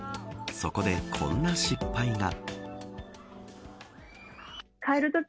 そこで、こんな失敗が。